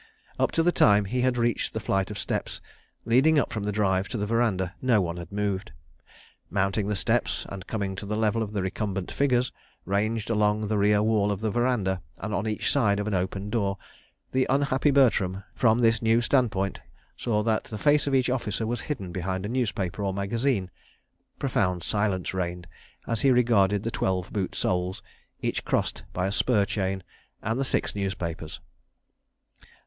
Up to the time he had reached the flight of steps, leading up from the drive to the verandah, no one had moved. Mounting the steps, and coming to the level of the recumbent figures, ranged along the rear wall of the verandah and on each side of an open door, the unhappy Bertram, from this new standpoint, saw that the face of each officer was hidden behind a newspaper or a magazine. ... Profound silence reigned as he regarded the twelve boot soles, each crossed by a spur chain, and the six newspapers.